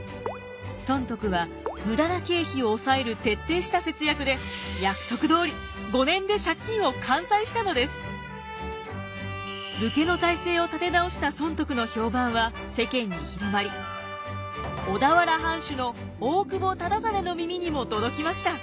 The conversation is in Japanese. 尊徳は無駄な経費を抑える徹底した節約で約束どおり武家の財政を立て直した尊徳の評判は世間に広まり小田原藩主の大久保忠真の耳にも届きました。